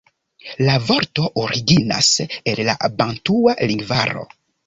La vorto originas el la bantua lingvaro.